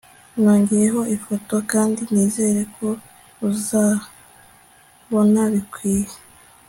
Nongeyeho ifoto kandi nizere ko uzabona bikwiye